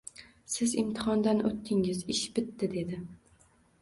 Siz imtihondan oʻtdingiz ish bitdi, dedi